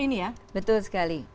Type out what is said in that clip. ini ya betul sekali